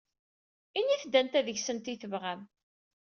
Init-d anta deg-sent ay tebɣam.